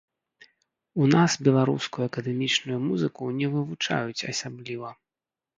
У нас беларускую акадэмічную музыку не вывучаюць асабліва.